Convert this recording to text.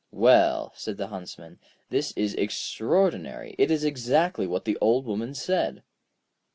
'Well,' said the Huntsman, 'this is extraordinary, it is exactly what the Old Woman said.'